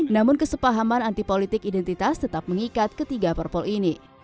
namun kesepahaman antipolitik identitas tetap mengikat ketiga perpol ini